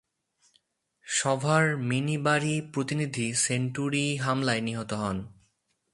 সভার মিনবারি প্রতিনিধি সেন্টুরি হামলায় নিহত হন।